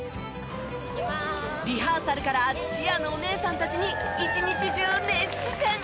リハーサルからチアのお姉さんたちに一日中熱視線！